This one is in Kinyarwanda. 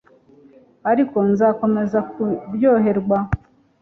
Ariko nzakomeza kuryoherwa